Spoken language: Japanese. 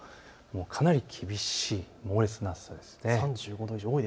かなり厳しい猛烈な暑さですね。